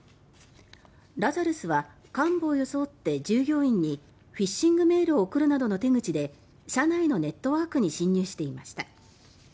ラザルスは幹部を装って従業員にフィッシングメールを送るなどの手口で社内のネットワークに侵入していました。